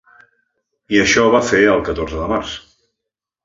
I això va fer el catorze de març.